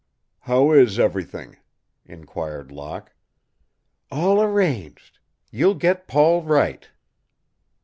"How is everything?" inquired Locke. "All arranged. You'll get Paul right."